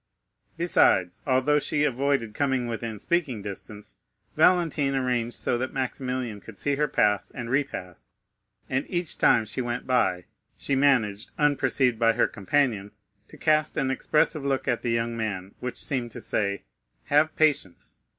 Besides, although she avoided coming within speaking distance, Valentine arranged so that Maximilian could see her pass and repass, and each time she went by, she managed, unperceived by her companion, to cast an expressive look at the young man, which seemed to say, "Have patience!